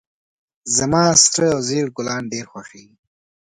زما سره او زیړ ګلان ډیر خوښیږي